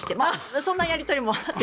そんなやり取りもあって。